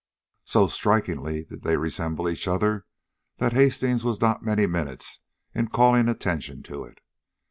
So strikingly did they resemble each other, that Hastings was not many minutes in calling attention to it.